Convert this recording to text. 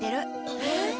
えっ？